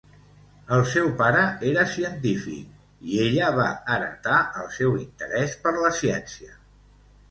El seu pare era científic, i ella va heretar el seu interès per la ciència.